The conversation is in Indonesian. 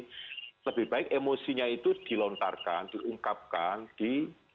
jadi lebih baik emosinya itu dilontarkan diungkapkan di